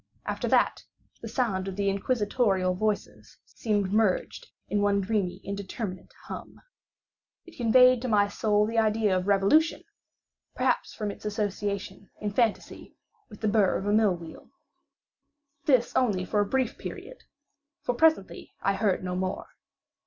After that, the sound of the inquisitorial voices seemed merged in one dreamy indeterminate hum. It conveyed to my soul the idea of revolution—perhaps from its association in fancy with the burr of a mill wheel. This only for a brief period, for presently I heard no more.